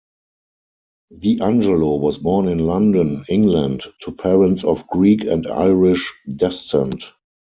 Di Angelo was born in London, England, to parents of Greek and Irish descent.